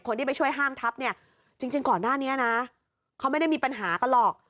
คนที่ไปช่วยห้ามทับเนี่ยจริงก่อนหน้านี้นะเขาไม่ได้มีปัญหากันหรอก